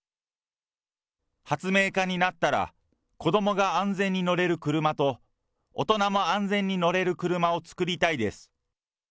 発明家になったら、子どもが安全に乗れる車と、大人も安全に乗れる車を作りたいです。